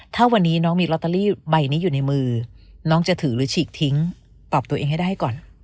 ถ้าวันนี้น้องมีลอตเตอรี่ใบนี้อยู่ในมือน้องจะถือหรือฉีกทิ้งตอบตัวเองให้ได้ก่อน